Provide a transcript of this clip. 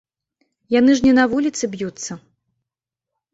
Яны ж не на вуліцы б'юцца.